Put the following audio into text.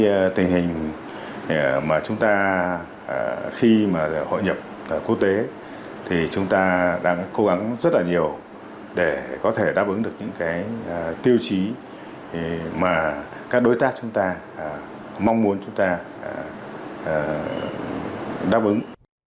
cái tình hình mà chúng ta khi mà hội nhập quốc tế thì chúng ta đang cố gắng rất là nhiều để có thể đáp ứng được những cái tiêu chí mà các đối tác chúng ta mong muốn chúng ta đáp ứng